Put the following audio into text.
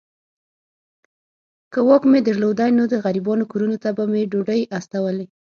که واک مي درلودای نو د غریبانو کورونو ته به مي ډوډۍ استولې.